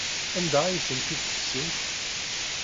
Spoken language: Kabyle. Anda ay tent-id-tefsimt?